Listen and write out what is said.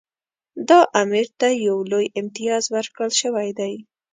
دا امیر ته یو لوی امتیاز ورکړل شوی دی.